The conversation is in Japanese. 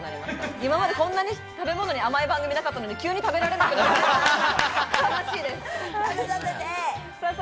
今まで、こんなに食べ物に甘い番組なかったのに、急に食べられなくなって悔しいです。